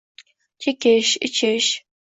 — Chekish, ichish...